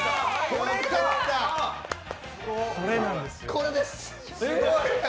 これです！